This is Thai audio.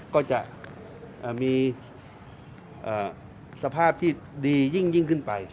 ก็จะมีสภาพที่ดียิ่งขึ้นไป